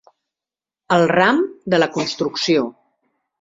El ram de la construcció.